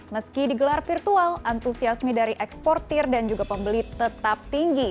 meski digelar virtual antusiasmi dari eksportir dan juga pembeli tetap tinggi